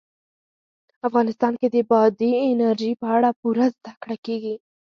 افغانستان کې د بادي انرژي په اړه پوره زده کړه کېږي.